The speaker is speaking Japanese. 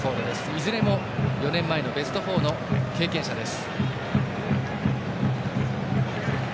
いずれも４年前のベスト４の経験者です。